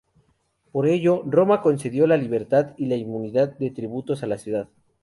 Por ello, Roma concedió la libertad y la inmunidad de tributos a la ciudad.